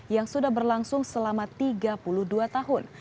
yang sudah berlangsung selama tiga puluh dua tahun